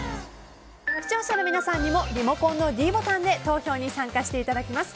視聴者の皆さんにもリモコンのｄボタンで投票に参加していただきます。